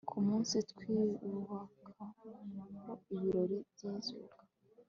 ku munsi twibukaho ibirori by'izuka